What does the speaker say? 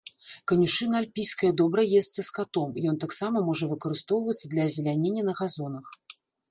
Канюшына альпійская добра есца скатом, ён таксама можа выкарыстоўвацца для азелянення на газонах.